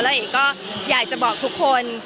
เอกก็อยากจะบอกทุกคน